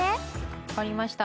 わかりました。